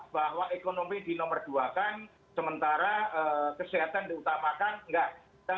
bahwa ekonomi dinomor duakan sementara kesehatan diutamakan